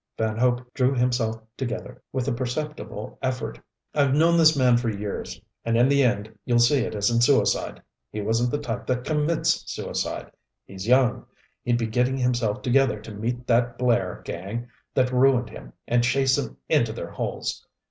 Van Hope drew himself together with a perceptible effort. "I've known this man for years and in the end, you'll see it isn't suicide. He wasn't the type that commits suicide. He's young, he'd be getting himself together to meet that Blair gang that ruined him and chase 'em into their holes.